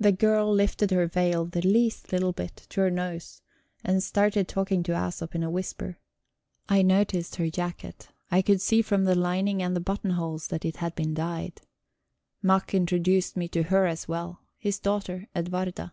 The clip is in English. The girl lifted her veil the least little bit, to her nose, and started talking to Æsop in a whisper. I noticed her jacket; I could see from the lining and the buttonholes that it had been dyed. Mack introduced me to her as well; his daughter, Edwarda.